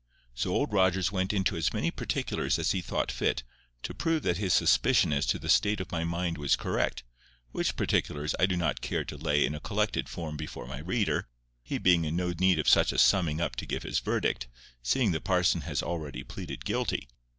So Old Rogers went into as many particulars as he thought fit, to prove that his suspicion as to the state of my mind was correct; which particulars I do not care to lay in a collected form before my reader, he being in no need of such a summing up to give his verdict, seeing the parson has already pleaded guilty.